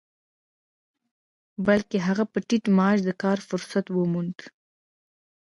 بلکې هغه په ټيټ معاش د کار فرصت وموند.